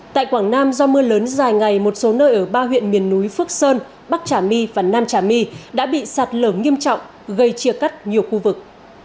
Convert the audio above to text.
tại quảng nam do mưa lớn dài ngày một số nơi ở ba huyện miền núi phước sơn bắc trà my và nam trà my đã bị sạt lở nghiêm trọng gây chia cắt nhiều khu vực